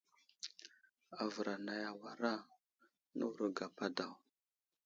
Avər anay awara, newuro gapa daw.